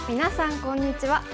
こんにちは。